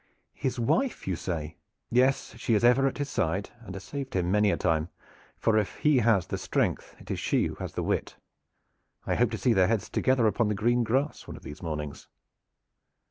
"His wife, you say?" "Yes, she is ever at his side, and has saved him many a time, for if he has the strength it is she who has the wit. I hope to see their heads together upon the green grass one of these mornings."